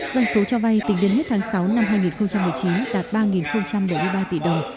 doanh số cho vay tính đến hết tháng sáu năm hai nghìn một mươi chín đạt ba bảy mươi ba tỷ đồng